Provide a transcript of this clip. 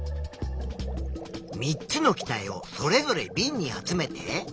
３つの気体をそれぞれビンに集めて。